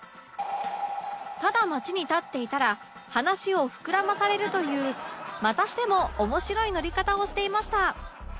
ただ街に立っていたら話を膨らまされるというまたしても面白い載り方をしていました